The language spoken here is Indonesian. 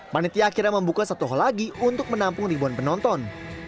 panitia akhirnya membuka satu hal lagi untuk menampung ribuan penonton